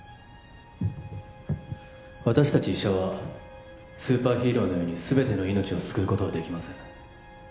私達医者はスーパーヒーローのように全ての命を救うことはできません